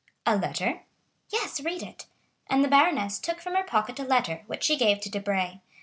"A letter?" "Yes; read it." And the baroness took from her pocket a letter which she gave to Debray.